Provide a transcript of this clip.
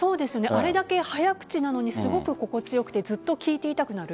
あれだけ早口なのにすごく心地良くてずっと聞いていたくなる。